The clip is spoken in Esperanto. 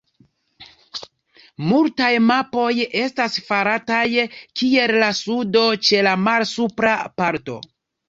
Multaj mapoj estas farataj kiel la sudo ĉe la malsupra parto.